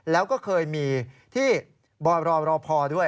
แล้วก็เคยมีที่บรพด้วย